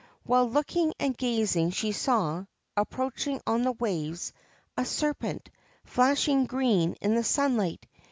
While looking and gazing she saw, approaching on the waves, a serpent, flashing green in the sunlight.